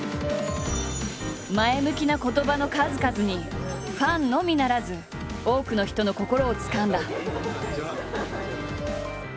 前向きな言葉の数々にファンのみならず多くの人の心をつかんだ。